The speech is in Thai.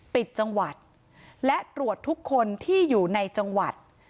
ปิดจังหวัดและตรวจทุกคนที่อยู่ในจังหวัด